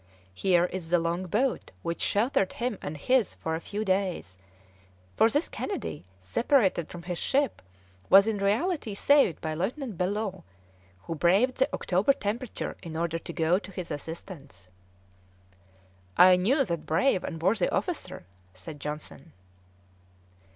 Here is the long boat which sheltered him and his for a few days, for this Kennedy, separated from his ship, was in reality saved by Lieutenant Bellot, who braved the October temperature in order to go to his assistance." "I knew that brave and worthy officer," said Johnson.